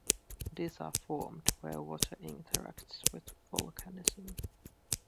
These are formed where water interacts with volcanism.